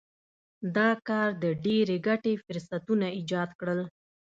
دا کار د ډېرې ګټې فرصتونه ایجاد کړل.